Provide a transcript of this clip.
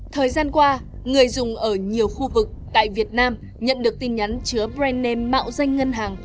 thời gian qua người dùng ở nhiều khu vực tại việt nam nhận được tin nhắn chứa brand name mạo danh ngân hàng